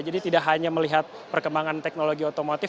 jadi tidak hanya melihat perkembangan teknologi otomotif